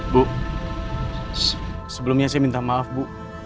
bu sebelumnya saya minta maaf bu